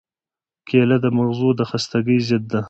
کېله د مغزو د خستګۍ ضد ده.